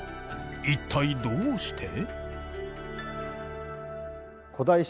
一体どうして？